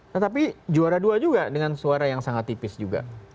tetapi juara dua juga dengan suara yang sangat tipis juga